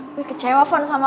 gue kecewa fon sama lo